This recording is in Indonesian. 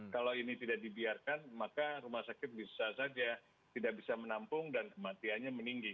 kalau ini tidak dibiarkan maka rumah sakit bisa saja tidak bisa menampung dan kematiannya meninggi